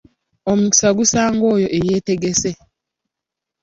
Omukisa gusanga oyo eyeetegese.